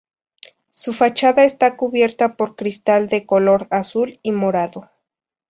Su fachada está cubierta por cristal de color azul y morado.